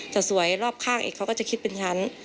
จะสวยรอบข้างเขาก็จะคิดเป็นชั้น